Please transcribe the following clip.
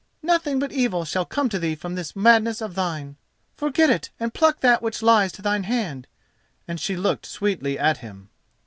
Nothing but evil shall come to thee from this madness of thine. Forget it and pluck that which lies to thine hand," and she looked sweetly at him.